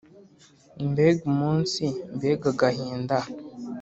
Mbega umunsi mbega agahinda